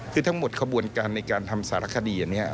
คือทั้งหมดขบวนการในการทำสารคดีอันนี้